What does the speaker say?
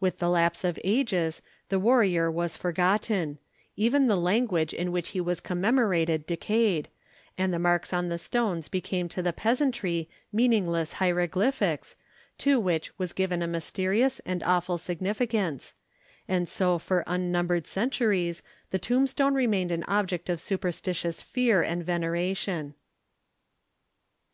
With the lapse of ages, the warrior was forgotten; even the language in which he was commemorated decayed, and the marks on the stones became to the peasantry meaningless hieroglyphics, to which was given a mysterious and awful significance; and so for unnumbered centuries the tombstone remained an object of superstitious fear and veneration.